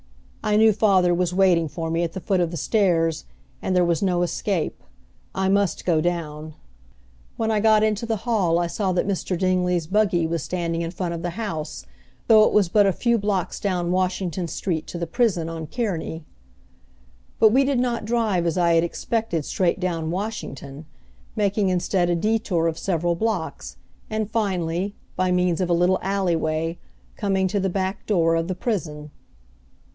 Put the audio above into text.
I knew father was waiting for me at the foot of the stairs, and there was no escape, I must go down. When I got into the hall I saw that Mr. Dingley's buggy was standing in front of the house, though it was but a few blocks down Washington Street to the prison on Kearney. But we did not drive as I had expected straight down Washington, making instead a detour of several blocks, and finally, by means of a little alleyway, coming to the back door of the prison.